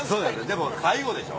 でも最期でしょ？